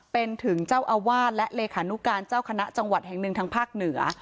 เป็นถึงเจ้าอาวาสและเลขานุการเจ้าคณะจังหวัดแห่งหนึ่งทางภาคเหนือ